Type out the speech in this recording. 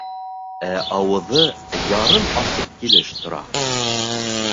Ә ауыҙы ярым асыҡ килеш тора.